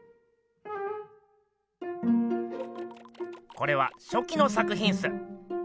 これはしょきの作品っす。